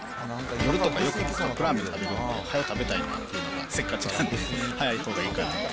夜とかよく、カップラーメンとかを食べるので、早く食べたいなって、せっかちなんで、速いほうがいいかなと。